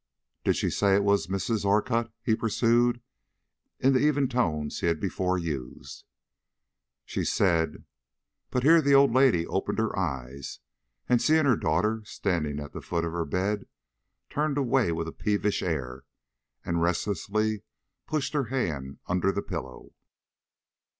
"Did she say it was Mrs. Orcutt," he pursued, in the even tones he had before used. "She said " But here the old lady opened her eyes, and, seeing her daughter standing at the foot of her bed, turned away with a peevish air, and restlessly pushed her hand under the pillow.